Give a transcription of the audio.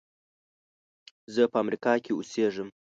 زه په امریکا کې اوسېږم.